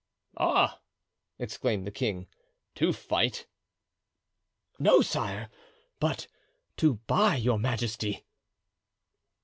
"Ah!" exclaimed the king, "to fight?" "No, sire, but to buy your majesty."